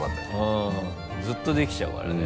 うんずっとできちゃうからね。